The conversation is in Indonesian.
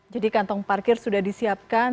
jadi kantong parkir sudah disiapkan